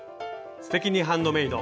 「すてきにハンドメイド」